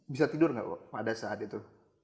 bisa tidur gak pada saat itu